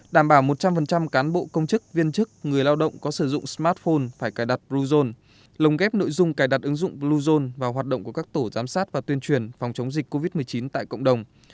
đảm bảo một trăm linh cán bộ công chức viên chức người lao động có sử dụng smartphone phải cài đặt bluezone lồng ghép nội dung cài đặt ứng dụng bluezone vào hoạt động của các tổ giám sát và tuyên truyền phòng chống dịch covid một mươi chín tại cộng đồng